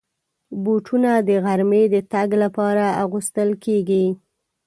بوټونه د غرمې د تګ لپاره اغوستل کېږي.